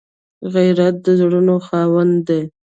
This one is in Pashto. غیرت د زړونو خاوند دی